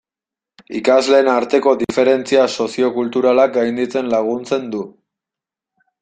Ikasleen arteko diferentzia soziokulturalak gainditzen laguntzen du.